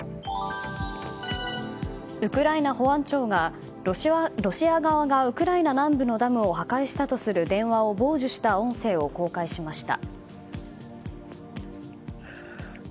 ウクライナ保安庁がロシア側がウクライナ南部のダムを破壊したとする電話を傍受した音声を公開しました。